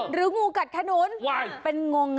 หรืองูกัดฮานุน